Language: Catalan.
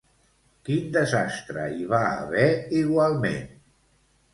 Quin desastre hi va haver, igualment?